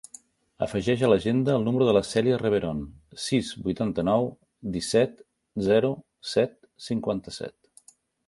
Afegeix a l'agenda el número de la Cèlia Reveron: sis, vuitanta-nou, disset, zero, set, cinquanta-set.